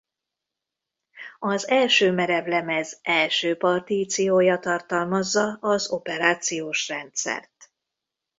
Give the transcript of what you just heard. Az első merevlemez első partíciója tartalmazza az operációs rendszert.